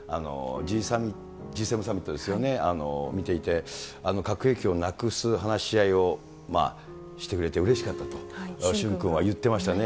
Ｇ７サミットですよね、見ていて、核兵器をなくす話し合いをしてくれてうれしかったと、駿君は言ってましたね。